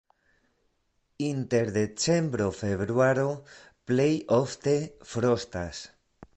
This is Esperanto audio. Inter decembro-februaro plej ofte frostas.